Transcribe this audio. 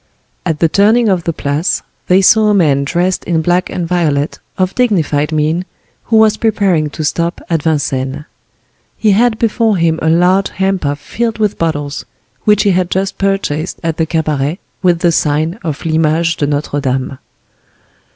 At the turning of the Place they saw a man dressed in black and violet, of dignified mien, who was preparing to stop at Vincennes. He had before him a large hamper filled with bottles, which he had just purchased at the cabaret with the sign of "L'Image de Notre Dame."